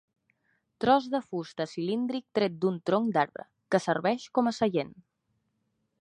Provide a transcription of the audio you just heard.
Tros de fusta cilíndric tret d'un tronc d'arbre, que serveix com a seient.